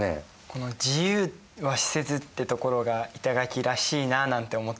この「自由は死せず」ってところが板垣らしいなあなんて思ったりします。